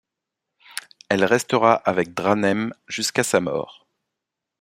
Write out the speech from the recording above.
Elle restera avec Dranem jusqu'à sa mort.